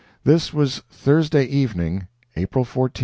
This was Thursday evening, April 14, 1910.